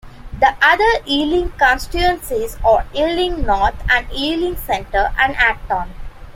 The other Ealing constituencies are Ealing North, and Ealing Central and Acton.